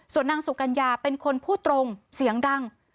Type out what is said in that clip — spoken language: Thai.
ส่วนนางสุกัญญาเป็นคนพูดตรงเสียงดัง